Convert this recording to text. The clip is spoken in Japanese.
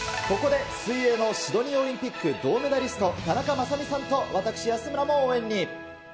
ここで水泳のシドニーオリンピック銅メダリスト、田中雅美さんと私、安村も応援に。